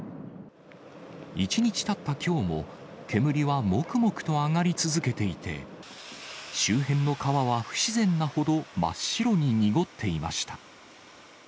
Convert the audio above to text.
１日たったきょうも、煙はもくもくと上がり続けていて、周辺の川は不自然なほど真っ白に濁っていました。